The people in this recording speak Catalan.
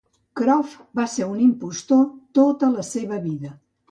Croft va ser un impostor tota la seva vida.